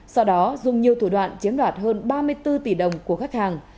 sau đó dùng nhiều thủ đoạn chiếm đoạt hơn ba mươi bốn tỷ đồng của khách hàng